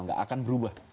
tidak akan berubah